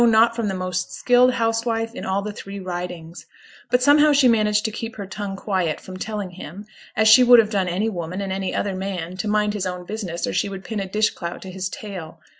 not from the most skilled housewife in all the three Ridings. But, somehow, she managed to keep her tongue quiet from telling him, as she would have done any woman, and any other man, to mind his own business, or she would pin a dish clout to his tail.